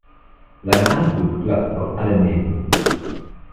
Sein Anzug platzt aus allen Nähten.